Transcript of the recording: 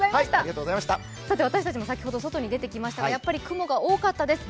私たちも先ほど外に出てきましたが、やっぱり雲が多かったです。